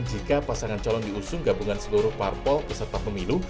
jika pasangan calon diusung gabungan seluruh parpol peserta pemilu